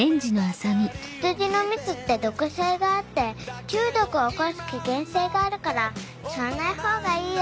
ツツジの蜜って毒性があって中毒を起こす危険性があるから吸わないほうがいいよ。